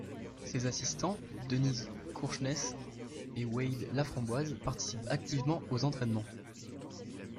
Ses assistants, Denise Courchenes et Wade Laframboise participent activement aux entraînements.